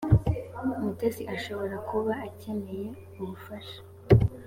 mutesi ashobora kuba akeneye ubufasha .